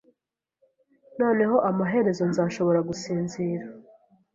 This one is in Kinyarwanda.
Noneho amaherezo nzashobora gusinzira.